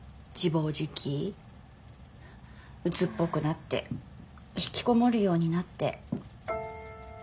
うつっぽくなってひきこもるようになって。